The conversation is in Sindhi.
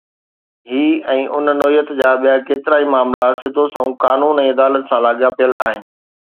هي ۽ ان نوعيت جا ٻيا ڪيترائي معاملا سڌو سنئون قانون ۽ عدالت سان لاڳاپيل آهن